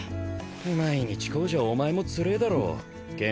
毎日こうじゃお前もつれえだろ剣心。